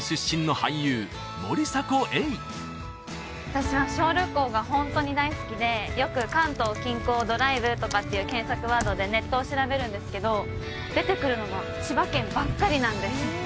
私は小旅行がホントに大好きでよく「関東近郊ドライブ」とかっていう検索ワードでネットを調べるんですけど出てくるのが千葉県ばっかりなんです